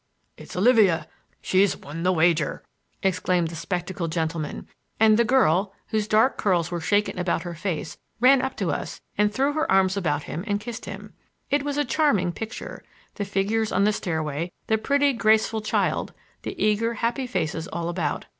"It's Olivia! She's won the wager!" exclaimed the spectacled gentleman, and the girl, whose dark curls were shaken about her face, ran up to us and threw her arms about him and kissed him. It was a charming picture,—the figures on the stairway, the pretty graceful child, the eager, happy faces all about.